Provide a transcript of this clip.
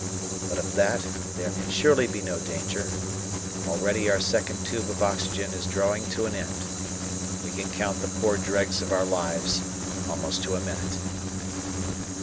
But of that there can surely be no danger. Already our second tube of oxygen is drawing to an end. We can count the poor dregs of our lives almost to a minute.